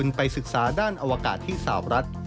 ไปศึกษาด้านอวกาศที่สาวรัฐ